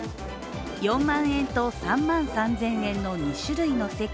４万円と３万３０００円の２種類の席